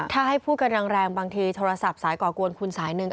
ถ้าให้พูดกันแรงบางทีโทรศัพท์สายก่อกวนคุณสายหนึ่ง